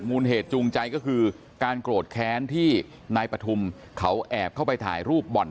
มูลเหตุจูงใจก็คือการโกรธแค้นที่นายปฐุมเขาแอบเข้าไปถ่ายรูปบ่อน